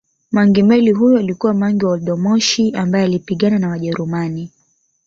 Mangi Meli huyu alikuwa mangi wa oldmoshi ambaye alipigana na wajerumani